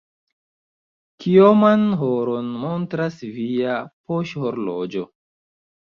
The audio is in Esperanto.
Kioman horon montras via poŝhorloĝo?